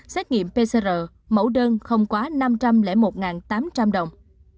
xét nghiệm pcr mẫu đơn không quá năm trăm linh một tám trăm linh đồng